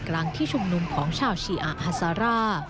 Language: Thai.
กลางที่ชุมนุมของชาวชีอาฮาซาร่า